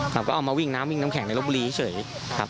เราก็เอามาวิ่งน้ำแข็งในรถบุรีเฉยครับ